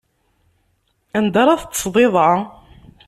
Anda ara teṭṭseḍ iḍ-a?